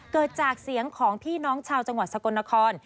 เกิดจากเสียงของพี่น้องชาวจังหวัดสกลนคร